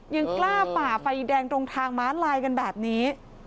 ยังกล้าฝ่าไฟแดงตรงทางม้าลายกันแบบนี้